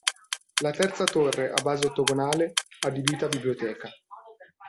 La terza torre, a base ottagonale, adibita a biblioteca.